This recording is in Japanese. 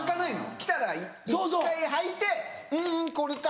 来たら１回履いてうんこれか！